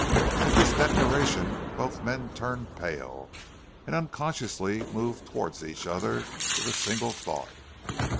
At this declaration both men turned pale, and unconsciously moved towards each other with a single thought.